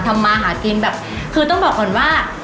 มาหากินแบบคือต้องบอกก่อนว่า